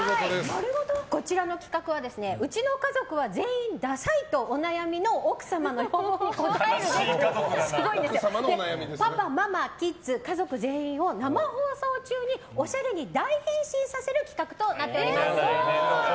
こちらの企画はうちの家族は全員ダサいとお悩みの奥様の要望に応えるためにパパ、ママ、キッズ家族全員を生放送中にオシャレに大変身させる企画となっております。